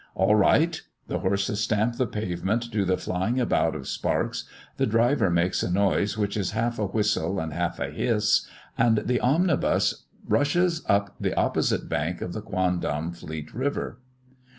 "All right!" The horses stamp the pavement to the flying about of sparks, the driver makes a noise which is half a whistle and half a hiss, and the omnibus rushes up the opposite bank of the quondam Fleet river.